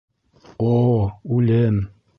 О, Үлем!